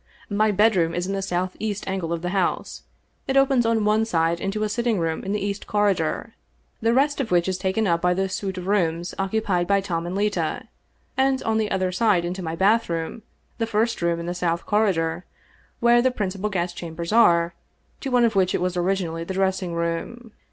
My bedroom is in the southeast angle of the house ; it opens on one side into a sitting room in the east corridor, the rest of which is taken up by the suite of rooms occupied by Tom and Leta ; and on the other side into my bathroom, the first room in the south corridor, where the principal guest chambers are, to one of whicn it was originally the dressing room.